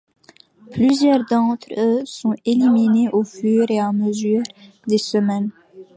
Plusieurs d'entre eux sont éliminés au fur et à mesure des semaines.